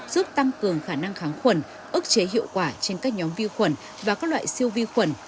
giúp tăng cường khả năng kháng khuẩn ức chế hiệu quả trên các nhóm vi khuẩn và các loại siêu vi khuẩn